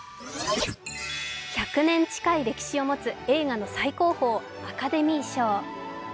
１００年近い歴史を持つ映画の最高峰アカデミー賞。